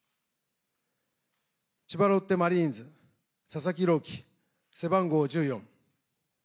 千葉ロッテマリーンズ、佐々木朗希、背番号１４。